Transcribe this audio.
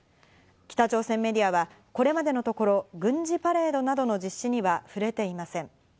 北朝鮮メディアはこれまでのところ軍事パレードなどの実施には触れていません。